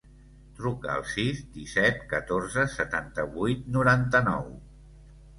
Truca al sis, disset, catorze, setanta-vuit, noranta-nou.